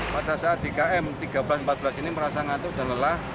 pada saat tiga m seribu tiga ratus empat belas ini merasa ngantuk dan lelah